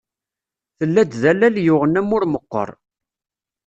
Tella-d d allal yuɣen amur meqqer.